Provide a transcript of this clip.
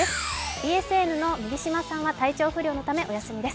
ＢＳＮの麦島さんは体調不良のためお休みです。